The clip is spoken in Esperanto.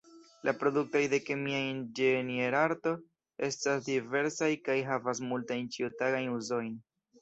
La produktoj de kemia inĝenierarto estas diversaj kaj havas multajn ĉiutagajn uzojn.